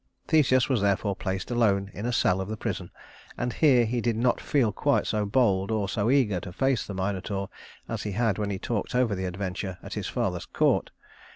Theseus was therefore placed alone in a cell of the prison, and here he did not feel quite so bold or so eager to face the Minotaur as he had when he talked over the adventure at his father's court.